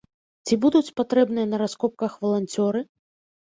Ці будуць патрэбныя на раскопках валанцёры?